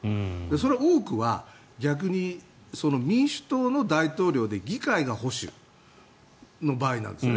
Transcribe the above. その多くは逆に民主党の大統領で議会が保守の場合なんですね。